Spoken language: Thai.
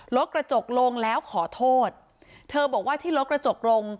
กระจกลงแล้วขอโทษเธอบอกว่าที่รถกระจกลง